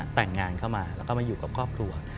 แต่งงานเข้ามาแล้วก็มาอยู่กับครอบครัว